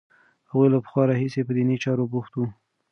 هغوی له پخوا راهیسې په دیني چارو بوخت وو.